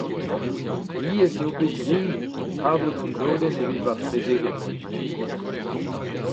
Diaes eo bet din kavout un dodenn evit ma frezegenn.